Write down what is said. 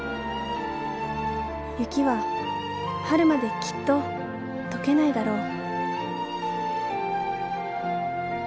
雪は春まできっと解けないだろう